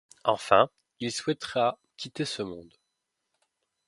Enfin, il souhaitera quitter ce monde.